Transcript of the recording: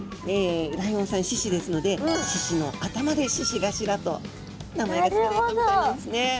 ライオンさん獅子ですので獅子の頭で獅子頭と名前が付けられたみたいなんですね。